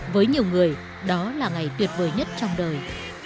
với nhiều người đó là ngày tuyệt vời nhất trong đời